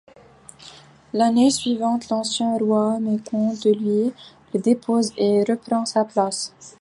L’année suivante l’ancien roi, mécontent de lui, le dépose et reprend sa place.